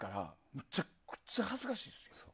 めちゃくちゃ恥ずかしいですよ。